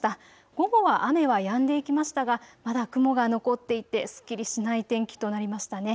午後は雨はやんでいきましたがまだ雲が残っていてすっきりしない天気となりましたね。